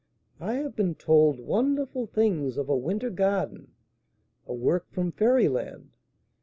I have been told wonderful things of a 'Winter Garden,' a work from Fairyland.